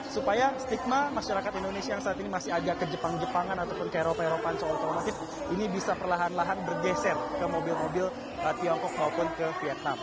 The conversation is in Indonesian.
supaya stigma masyarakat indonesia yang saat ini masih agak ke jepang jepangan ataupun ke eropa eropa soal otomatis ini bisa perlahan lahan bergeser ke mobil mobil tiongkok maupun ke vietnam